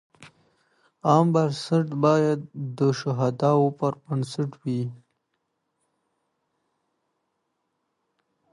عامه پریکړې باید د شواهدو پر بنسټ وي.